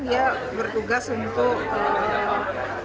dia bertugas untuk